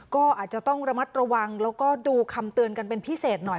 ก็อาจจะต้องระมัดระวังแล้วก็ดูคำเตือนกันเป็นพิเศษหน่อย